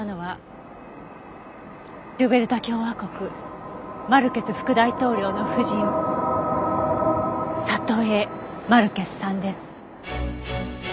ルベルタ共和国マルケス副大統領の夫人サトエ・マルケスさんです。